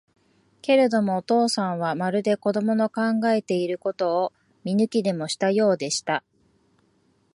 けれども、お父さんは、まるで子供の考えていることを見抜きでもしたようでした。